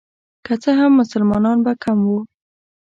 که څه هم مسلمانان به کم وو.